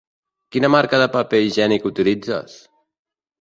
Quina marca de paper higiènic utilitzes?